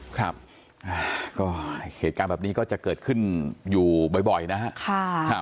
ครับก็เหตุการณ์แบบนี้ก็จะเกิดขึ้นอยู่บ่อยนะครับ